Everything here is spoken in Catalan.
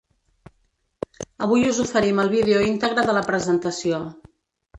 Avui us oferim el vídeo íntegre de la presentació.